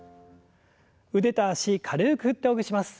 腕と脚軽く振ってほぐします。